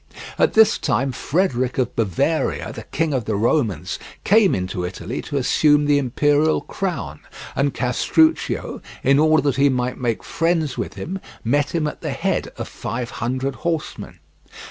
At this time Frederick of Bavaria, the King of the Romans, came into Italy to assume the Imperial crown, and Castruccio, in order that he might make friends with him, met him at the head of five hundred horsemen.